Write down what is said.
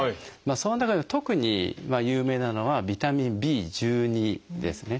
その中で特に有名なのはビタミンＢですね。